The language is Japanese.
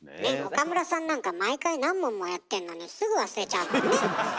岡村さんなんか毎回何問もやってんのにすぐ忘れちゃうもんね。